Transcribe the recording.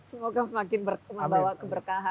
semoga semakin membawa keberkahan